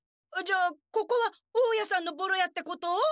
じゃあここは大家さんのボロ屋ってこと？